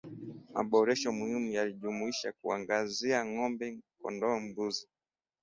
Maboresho muhimu yalijumuisha kuangazia ng'ombe kondoo mbuzi